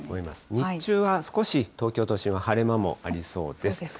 日中は少し東京都心は晴れ間もありそうです。